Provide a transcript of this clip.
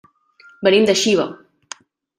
Venim de Xiva.